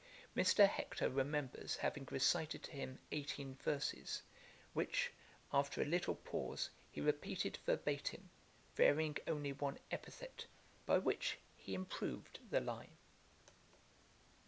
Mr. Hector remembers having recited to him eighteen verses, which, after a little pause, he repeated verbatim, varying only one epithet, by which he improved the line.